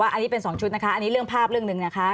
อันนี้เป็น๒ชุดนะคะอันนี้เรื่องภาพเรื่องหนึ่งนะคะ